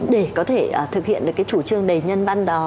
để có thể thực hiện được cái chủ trương đầy nhân văn đó